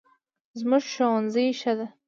زموږ ښوونځی ښه دی